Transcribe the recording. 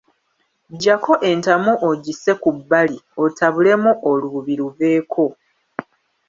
Ggyako entamu ogisse ku bbali otabulemu olububi luveeko.